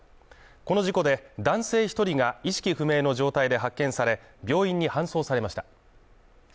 この事故で男性１人が意識不明の状態で発見され、病院に搬送されました。